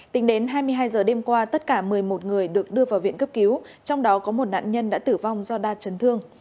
tính đến hai mươi hai giờ đêm qua tất cả một mươi một người được đưa vào viện cấp cứu trong đó có một nạn nhân đã tử vong do đa chấn thương